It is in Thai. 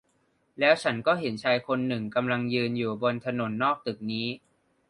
แล้วฉันก็เห็นชายคนหนึ่งกำลังยืนอยู่บนถนนนอกตึกนี้